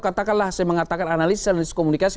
katakanlah saya mengatakan analisis komunikasi